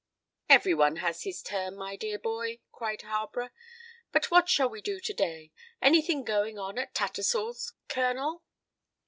"Every one has his turn, my dear boy," cried Harborough. "But what shall we do to day? Any thing going on at Tattersall's, Colonel?"